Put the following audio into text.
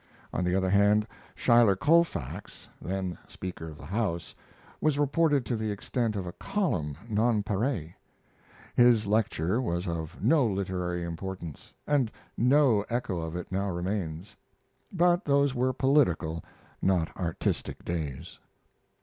On the other hand, Schuyler Colfax, then Speaker of the House, was reported to the extent of a column, nonpareil. His lecture was of no literary importance, and no echo of it now remains. But those were political, not artistic, days.